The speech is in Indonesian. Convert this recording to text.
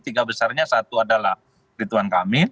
tiga besarnya satu adalah ridwan kamil